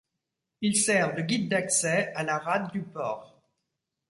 Il sert de guide d'accès à la rade du port.